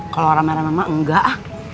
kalau orang merah mama enggak